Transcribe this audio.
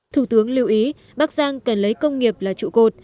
thủ tướng lưu ý bắc giang cần lấy công nghiệp là trụ cột